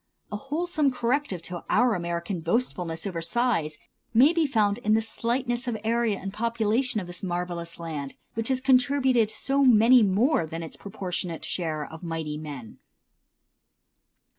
A wholesome corrective to our American boastfulness over size may be found in the slightness of area and population of this marvellous land, which has contributed so many more than its proportionate share of mighty men.